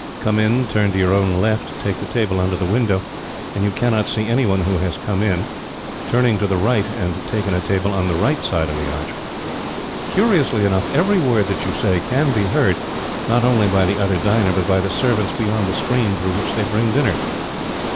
Come in, turn to your own left, take the table under the window, and you cannot see any one who has come in, turning to the right, and taken a table on the right side of the arch. Curiously enough, every word that you say can be heard, not only by the other diner, but by the servants beyond the screen through which they bring dinner.